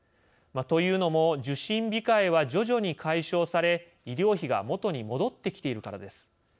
というのも受診控えは徐々に解消され医療費が元に戻ってきているからです。